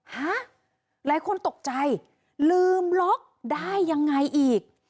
ฮะหลายคนตกใจลืมล็อกได้ยังไงอีก